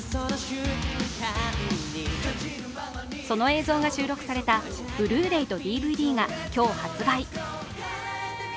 その映像が収録されたブルーレイとＤＶＤが今日発売。